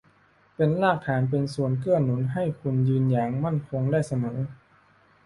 เป็นรากฐานเป็นส่วนที่เกื้อหนุนให้คุณยืนอย่างมั่นคงได้เสมอ